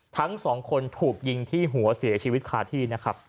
ทั้ง๒คนถูกยิงที่หัวเสียชีวิตคาที่